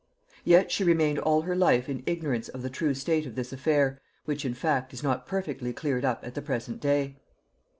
Yet she remained all her life in ignorance of the true state of this affair, which, in fact, is not perfectly cleared up at the present day.